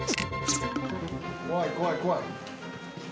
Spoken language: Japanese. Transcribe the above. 怖い怖い怖い。